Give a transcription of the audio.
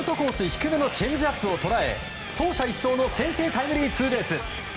低めのチェンジアップを捉え走者一掃の先制タイムリーツーベース！